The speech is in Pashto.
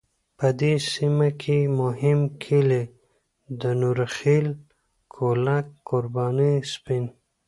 په دې سیمه کې مهم کلی د نوره خیل، کولک، قرباني، سپین .